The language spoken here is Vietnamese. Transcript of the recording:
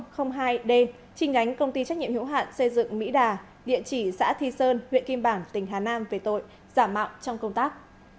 chi nhánh công ty trách nhiệm hiệu hạn xây dựng mỹ đà địa chỉ xã thi sơn huyện kim bảng tỉnh hà nam về tội giả mạo trong công tác